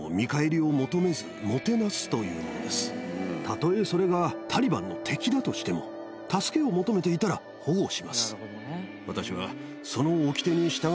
たとえそれがタリバンの敵だとしても助けを求めていたら保護します。